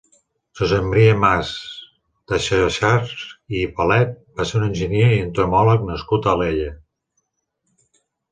Josep Maria Mas de Xaxars i Palet va ser un enginyer i entomòleg nascut a Alella.